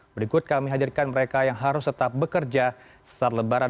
berikut kami hadirkan mereka yang harus tetap bekerja saat lebaran